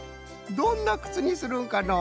どんなくつにするんかのう？